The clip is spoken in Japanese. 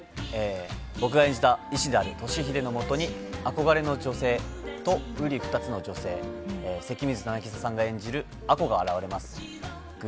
僕が演じた医師である俊英のもとに憧れの女性とうり二つの女性セキミズさんが演じるアコが現れます。